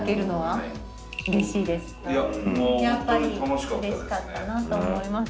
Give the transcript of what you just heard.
やっぱりうれしかったなと思います。